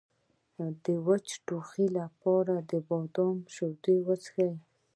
د وچ ټوخي لپاره د بادام شیدې وڅښئ